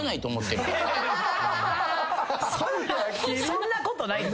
そんなことない。